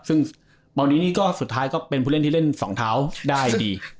ซึ่งเมาดีนี่ก็สุดท้ายก็เป็นผู้เล่นที่เล่นสองเท้าได้ดี